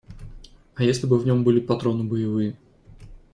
А если бы в нем были патроны боевые?